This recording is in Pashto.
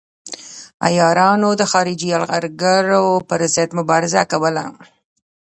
عیارانو د خارجي یرغلګرو پر ضد مبارزه کوله.